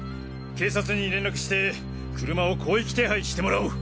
警察に連絡して車を広域手配してもらおう。